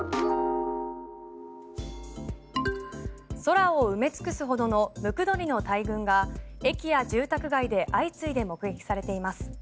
空を埋め尽くすほどのムクドリの大群が駅や住宅街で相次いで目撃されています。